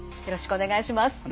よろしくお願いします。